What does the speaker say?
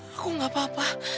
aku gak apa apa